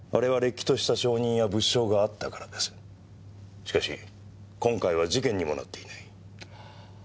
しかし今回は事件にもなっていない。